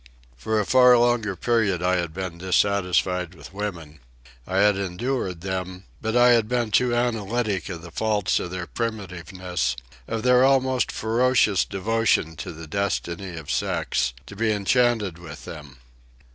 For a far longer period I had been dissatisfied with women. I had endured them, but I had been too analytic of the faults of their primitiveness, of their almost ferocious devotion to the destiny of sex, to be enchanted with them.